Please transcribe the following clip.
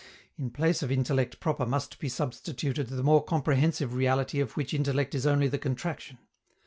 In place of intellect proper must be substituted the more comprehensive reality of which intellect is only the contraction.